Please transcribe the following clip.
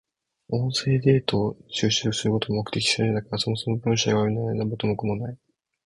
音声データを収集することを目的としているんだから、そもそも文章が読めないのでは元も子もない。